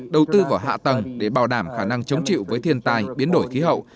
đầu tư vào hạ tầng để bảo đảm khả năng chống chịu với thiên tai biến đổi khí hậu